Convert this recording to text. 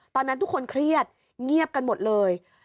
ตอนนั้นทุกคนเครียดเงียบกันหมดเลย